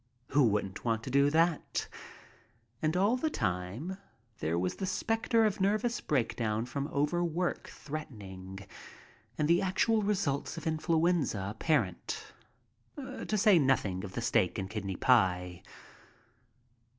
Who wouldn't want to do that? And all the time there was the specter of nervous breakdown from overwork threatening and the actual results of influenza apparent, to say nothing of the steak and kidney pie.